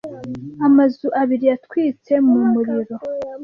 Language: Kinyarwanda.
Amazu abiri yatwitse mu muriro.